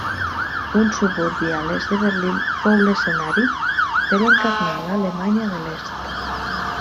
Un suburbi a l'est de Berlín fou l’escenari per encarnar l’Alemanya de l'Est.